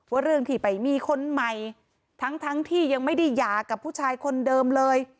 เรื่องที่ไปมีคนใหม่ทั้งทั้งที่ยังไม่ได้หย่ากับผู้ชายคนเดิมเลย